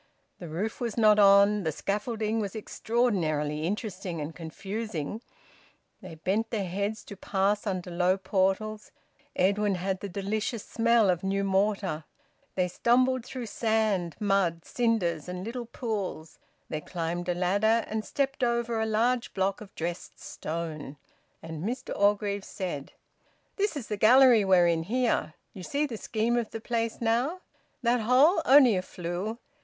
The roof was not on; the scaffolding was extraordinarily interesting and confusing; they bent their heads to pass under low portals; Edwin had the delicious smell of new mortar; they stumbled through sand, mud, cinders and little pools; they climbed a ladder and stepped over a large block of dressed stone, and Mr Orgreave said "This is the gallery we're in, here. You see the scheme of the place now... That hole only a flue.